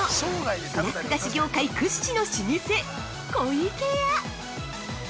スナック菓子業界屈指の老舗「湖池屋」！